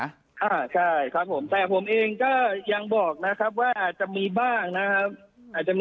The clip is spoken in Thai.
อ่าใช่ครับผมแต่ผมเองก็ยังบอกนะครับว่าอาจจะมีบ้างนะครับอาจจะมี